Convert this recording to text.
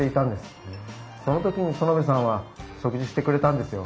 その時に薗部さんは食事してくれたんですよ。